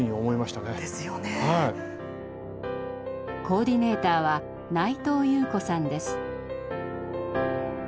コーディネーターは内藤裕子さんです。